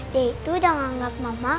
dia itu udah nganggap mama